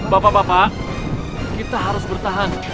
bapak bapak kita harus bertahan